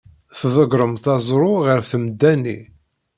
Tḍeggremt aẓru ɣer temda-nni.